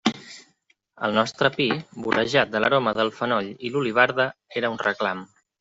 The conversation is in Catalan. El nostre pi, vorejat de l'aroma del fenoll i l'olivarda, era un reclam.